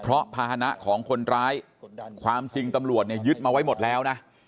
เพราะภาษณะของคนร้ายความจริงตำรวจเนี่ยยึดมาไว้หมดแล้วนะ